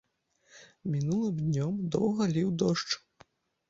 Мінулым днём доўга ліў дождж.